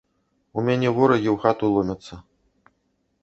У мяне ворагі ў хату ломяцца.